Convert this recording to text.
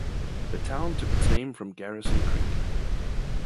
The town took its name from Garrison Creek.